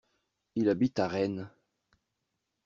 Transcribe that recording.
Il habite à Rennes.